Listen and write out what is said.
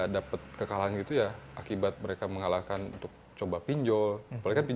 di bawah lima juta